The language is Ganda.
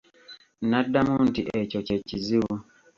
N'addamu nti ekyo kye kizibu.